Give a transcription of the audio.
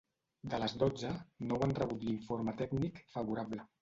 De les dotze, nou han rebut l’informe tècnic favorable.